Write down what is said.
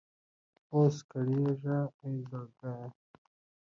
اوس کړېږه اې زړګيه!